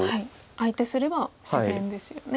相手すれば自然ですよね。